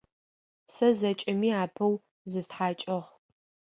Сэ зэкӏэми апэу зыстхьакӏыгъ.